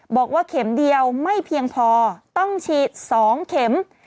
บอกว่าเข็มเดียวไม่เพียงพอต้องฉีด๒เข็ม